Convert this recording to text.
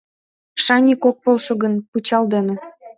Шаньык ок полшо гын — пычал дене!